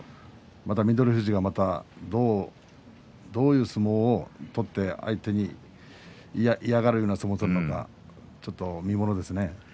富士がまたどういう相撲を取って相手に嫌がられるような相撲を取るのか見ものですね。